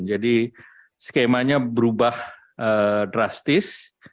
jadi skemanya berubah drastis